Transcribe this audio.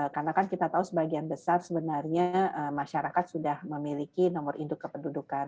karena kita tahu sebagian besar sebenarnya masyarakat sudah memiliki nomor hidup kependudukan